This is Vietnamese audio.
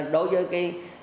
đối với cái